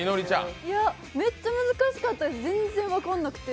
めっちゃ難しかったです、全然分からなくて。